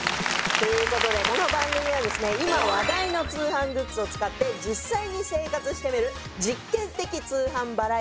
という事でこの番組はですね今話題の通販グッズを使って実際に生活してみる実験的通販バラエティーです。